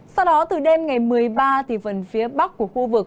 sau đó từ đêm ngày một mươi ba thì phần phía bắc của khu vực